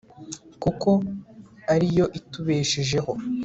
kuko ari yo itubeshejeho